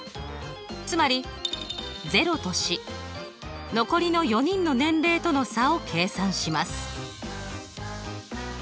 つまり０とし残りの４人の年齢との差を計算します。